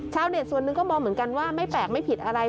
ส่วนหนึ่งก็มองเหมือนกันว่าไม่แปลกไม่ผิดอะไร